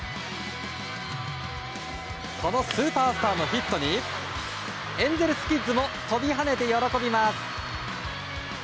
このスーパースターのヒットにエンゼルスキッズも飛び跳ねて喜びます。